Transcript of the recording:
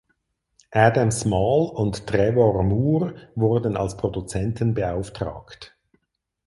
Adam Small und Trevor Moore wurden als Produzenten beauftragt.